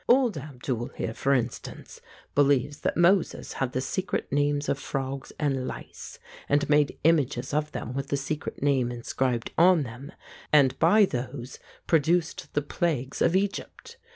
Old Abdul here, for instance, believes that Moses had the secret names of frogs and lice, and made images of them with the secret name inscribed on them, and by those produced the plagues of Egypt.